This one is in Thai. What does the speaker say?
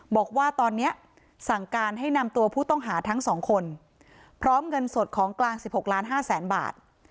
บอกว่าตอนนี้สั่งการให้นำตัวผู้ต้องหาทั้งสองคนพร้อมเงินสดของกลาง๑๖ล้านห้าแสนบาท